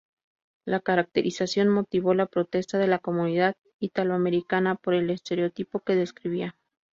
La caracterización motivó la protesta de la comunidad italoamericana por el estereotipo que describía.